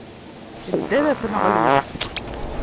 Ddan ɣer tneɣlust.